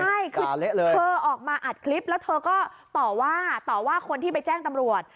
ใช่คือเธอออกมาอัดคลิปแล้วเธอก็ต่อว่าต่อว่าคนที่ไปแจ้งตำรวจ